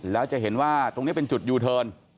แล้วจะเห็นว่าตรงนี้เป็นจุดยูเทิร์น